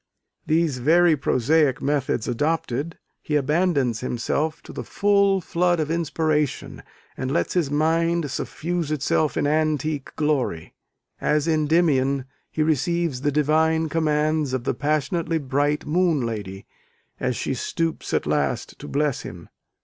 These very prosaic methods adopted, he abandons himself to the full flood of inspiration, and lets his mind suffuse itself in antique glory. As Endymion, he receives the divine commands of the passionately bright Moon Lady, as she stoops at last to bless him.